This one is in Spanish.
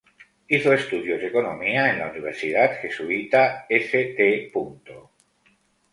Hizo estudios de economía en la universidad jesuita St.